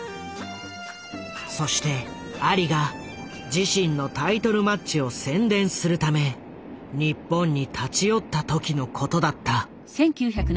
そしてアリが自身のタイトルマッチを宣伝するため日本に立ち寄った時のことだった。